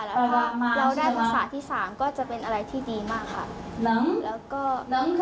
แล้วก็เราได้ภาษาที่๓ก็จะเป็นอะไรที่ดีมากค่ะ